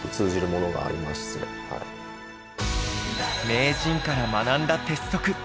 名人から学んだ鉄則